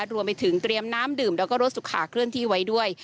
รวมไปถึงเตรียมน้ำดื่มแล้วก็รถสุขาเคลื่อนที่ไว้ด้วย